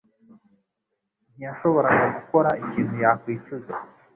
ntiyashakaga gukora ikintu yakwicuza.